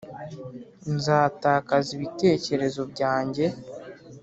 nzatakaza ibitekerezo byanjye,